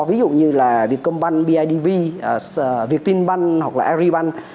ví dụ như là vietcom bank bidv viettin bank hoặc là aribank